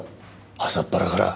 朝っぱらから。